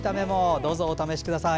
どうぞ、お試しください。